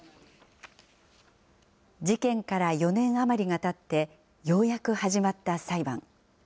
事件から４年余りがたって、ようやく始まった裁判。